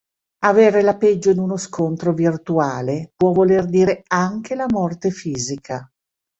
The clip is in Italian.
Avere la peggio in uno scontro virtuale può voler dire anche la morte fisica.